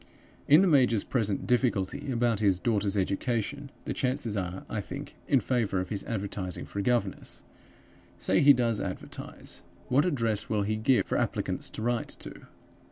"In the major's present difficulty about his daughter's education, the chances are, I think, in favor of his advertising for a governess. Say he does advertise, what address will he give for applicants to write to?